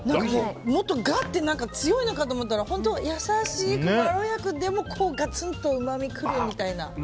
もっとガッて強いのかと思ったら本当、優しい軽やかでも、ガツンとうまみが来るみたいな。